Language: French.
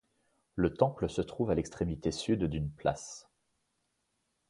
La temple se trouve à l'extrémité sud d'une place.